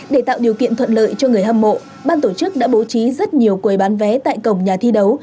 để tạo điều kiện thuận lợi cho người hâm mộ ban tổ chức đã bố trí rất nhiều quầy bán vé tại cổng nhà thi đấu